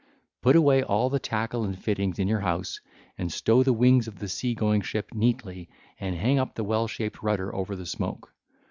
Put away all the tackle and fittings in your house, and stow the wings of the sea going ship neatly, and hang up the well shaped rudder over the smoke.